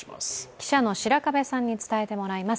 記者の白壁さんに伝えてもらいます。